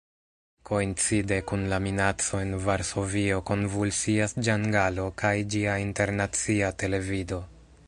Koincide kun la minaco en Varsovio konvulsias Ĝangalo kaj ĝia Internacia Televido.